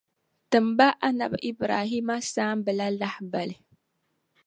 Timi ba Anabi Ibrahima saamba la lahibali.